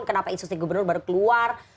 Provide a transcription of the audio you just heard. tentang apa instruksi gubernur baru keluar